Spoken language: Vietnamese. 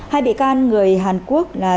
hai bị can người hàn quốc là